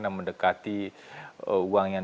yang mendekati uang yang